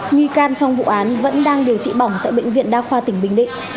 nghi can trong vụ án vẫn đang điều trị bỏng tại bệnh viện đa khoa tỉnh bình định